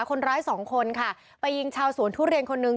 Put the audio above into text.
คนร้ายสองคนค่ะไปยิงชาวสวนทุเรียนคนนึง